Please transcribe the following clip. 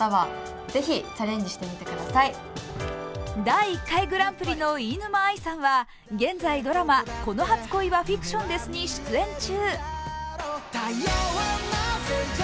第１回グランプリの飯沼愛さんは現在、ドラマ「この初恋はフィクションです」に出演中。